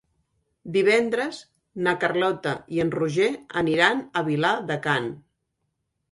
Divendres na Carlota i en Roger aniran a Vilar de Canes.